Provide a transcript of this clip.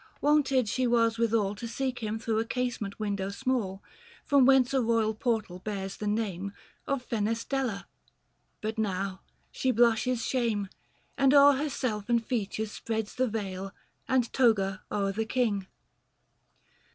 Wonted she was withal To seek him through a casement window small, . 695 From whence a royal portal bears the name Of Fenestella ; but now she blushes shame, And o'er herself and features spreads the veil, And toga o'er the king.